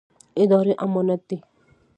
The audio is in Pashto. اداره امانت دی